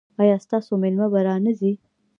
ایا ستاسو میلمه به را نه ځي؟